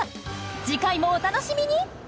次回もお楽しみに！